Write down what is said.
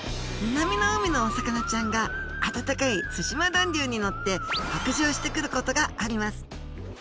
南の海のお魚ちゃんが暖かい対馬暖流に乗って北上してくることがあります。